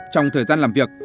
trong thời gian làm việc